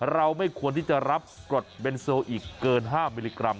เราไม่ควรที่จะรับกรดเบนโซลอีกเกิน๕มิลลิกรัม